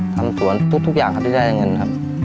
ทำสวนทุกอย่างครับที่ได้เงินครับ